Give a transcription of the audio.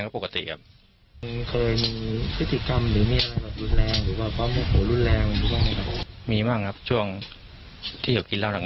มีมากมากครับช่วงที่อยากกินราวทั้ง